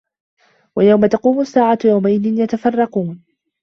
وَيَومَ تَقومُ السّاعَةُ يَومَئِذٍ يَتَفَرَّقونَ